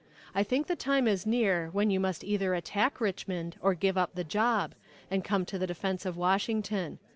I think the time is near when you must either attack Richmond or give up the job, and come to the defense of Washington.